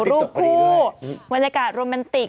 รูปคู่บรรยากาศโรแมนติก